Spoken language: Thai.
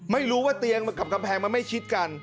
ไม่รู้ว่าเตียงกับกำแพงมันไม่ชิดกัน